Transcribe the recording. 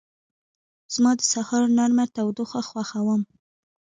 زه د سهار نرمه تودوخه خوښوم.